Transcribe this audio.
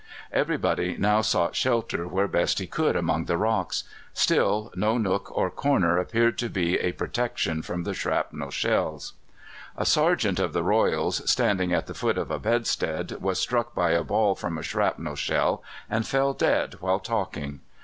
Everybody now sought shelter where best he could among the rocks. Still, no nook or corner appeared to be a protection from the shrapnel shells. A sergeant of the Royals, standing at the foot of a bedstead, was struck by a ball from a shrapnel shell, and fell dead while talking.